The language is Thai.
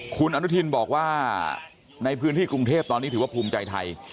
คุณอนุทินบอกว่าในพื้นที่กรุงเทพตอนนี้ถือว่าภูมิใจไทย